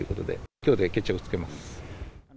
きょうで決着をつけます。